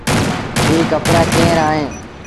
اي ڪپڙآ ڪݩهݩ رآ اهيݩ۔